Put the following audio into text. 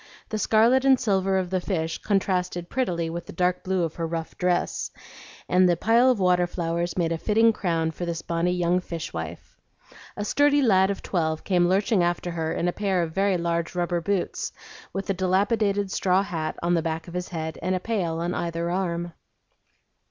The scarlet and silver of the fish contrasted prettily with the dark blue of her rough dress, and the pile of water flowers made a fitting crown for this bonny young fish wife. A sturdy lad of twelve came lurching after her in a pair of very large rubber boots, with a dilapidated straw hat on the back of his head and a pail on either arm.